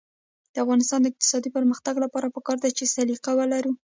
د افغانستان د اقتصادي پرمختګ لپاره پکار ده چې سلیقه ولرو.